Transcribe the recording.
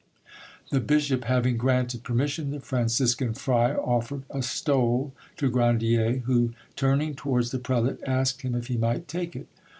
The bishop having granted permission, the Franciscan friar offered a stole to Grandier, who, turning towards the prelate, asked him if he might take it.